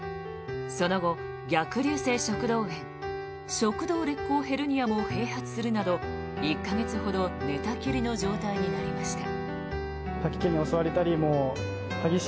その後、逆流性食道炎食道裂孔ヘルニアも併発するなど１か月ほど寝たきりの状態になりました。